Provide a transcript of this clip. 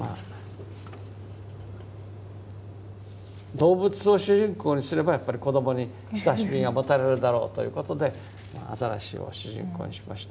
動物を主人公にすればやっぱり子どもに親しみが持たれるだろうということでアザラシを主人公にしました。